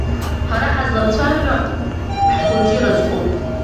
Ҳара ҳазлаҵәажәо ҳхәыҷы иразҟоуп.